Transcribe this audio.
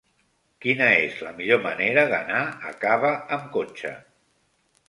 Quina és la millor manera d'anar a Cava amb cotxe?